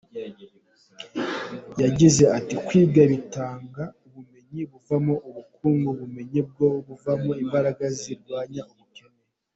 Yagize ati "Kwiga bitanga ubumenyi buvamo ubukungu, ubumenyi nibwo buvamo imbaraga zirwanya ubukene.